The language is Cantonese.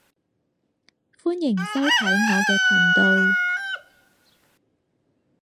歡迎收睇我嘅頻道